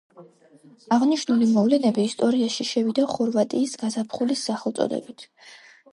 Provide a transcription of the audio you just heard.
აღნიშნული მოვლენები ისტორიაში შევიდა ხორვატიის გაზაფხულის სახელწოდებით.